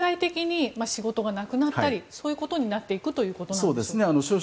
政権に異を唱えると経済的に仕事がなくなったりそういうことになっていくということなんでしょうか。